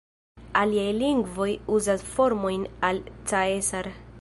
Aliaj lingvoj uzas formojn el "caesar".